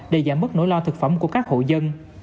để giảm mất nỗi lo thực phẩm của các hộ dân